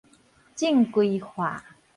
正規化